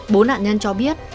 bố nạn nhân cho biết